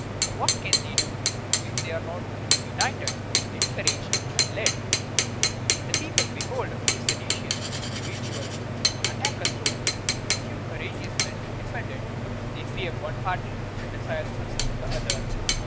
What can they do if they are not united, encouraged, and led? The people behold a few seditious individuals attack a throne, and a few courageous men defend it; they fear one party and desire the success of the other.